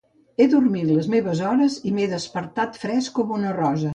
He dormit les meves hores i m'he despertat fresc com una rosa.